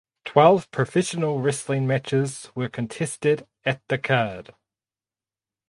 Twelve professional wrestling matches were contested at the card.